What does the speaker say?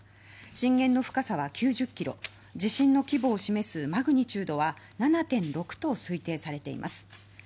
震源の深さは９０ｋｍ地震の規模を示すマグニチュードは７．６と推定されています。